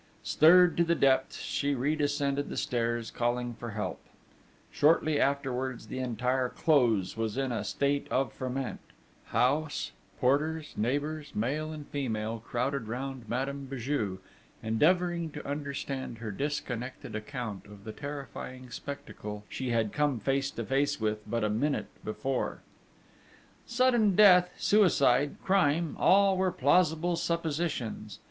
Stirred to the depths, she redescended the stairs, calling for help: shortly afterwards, the entire Close was in a state of ferment: house porters, neighbours, male and female, crowded round Madame Béju, endeavouring to understand her disconnected account of the terrifying spectacle she had come face to face with but a minute before. Sudden death, suicide, crime all were plausible suppositions.